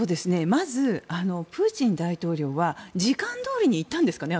まずプーチン大統領は時間どおりに行ったんですかね？